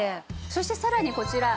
そしてさらにこちら。